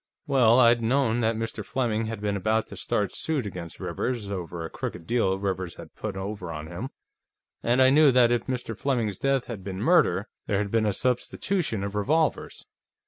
Well, I'd known that Mr. Fleming had been about to start suit against Rivers over a crooked deal Rivers had put over on him, and I knew that if Mr. Fleming's death had been murder, there had been a substitution of revolvers.